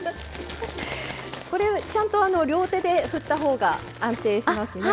これちゃんとあの両手で振った方が安定しますね。